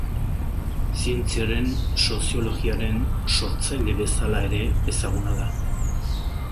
Zientziaren soziologiaren sortzaile bezala ere ezaguna da.